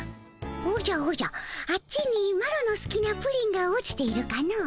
おじゃおじゃあっちにマロのすきなプリンが落ちているかの？